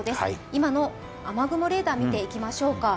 今の雨雲レーダー見ていきましょうか。